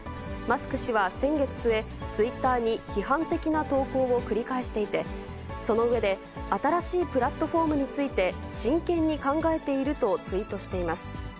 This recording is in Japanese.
マスク氏は先月末、ツイッターに批判的な投稿を繰り返していて、その上で、新しいプラットフォームについて真剣に考えているとツイートしています。